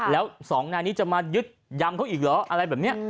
แล้วสองนายนี้จะมายึดยำเขาอีกเหรออะไรแบบนี้